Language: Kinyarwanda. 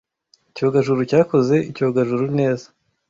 Icyogajuru cyakoze icyogajuru neza.